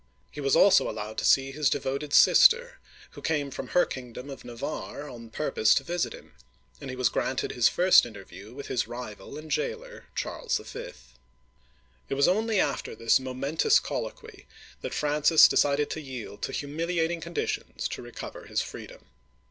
He was also allowed to see his devoted sister, who came from her kingdom of Navarre on purpose to visit him, and he was granted his first interview with his rival and jailer, Charles V. It was only after this momentous colloquy that Francis decided to yield to humiliating conditions to recover his freedom.